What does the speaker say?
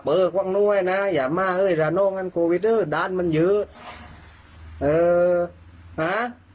กระเป๋าขวังหน้วยนะอย่ามาเห้ยระดว์กันกูด้านมันเยอะเอ่อหา